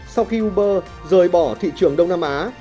sau khi uber rời bỏ thị trường đông nam á